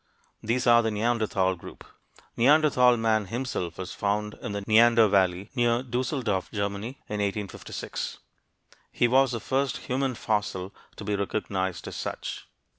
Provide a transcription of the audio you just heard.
These are the Neanderthal group. "Neanderthal man" himself was found in the Neander Valley, near Düsseldorf, Germany, in 1856. He was the first human fossil to be recognized as such.